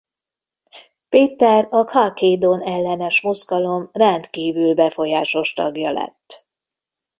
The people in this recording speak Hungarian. Péter a khalkédón-ellenes mozgalom rendkívül befolyásos tagja lett.